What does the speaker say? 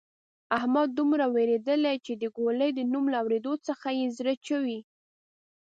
احمد دومره وېرېدلۍ چې د ګولۍ د نوم له اورېدو څخه یې زړه چوي.